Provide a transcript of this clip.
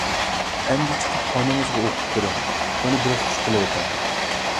— ئەمدى چىقىپ ئانىڭىزغا ئوقۇپ بېرىڭ. ئۇنى بىر خۇش قىلىۋېتىڭ.